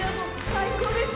最高です。